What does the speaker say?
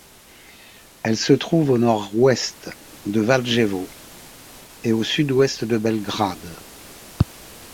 Elle se trouve à au nord-ouest de Valjevo et à au sud-ouest de Belgrade.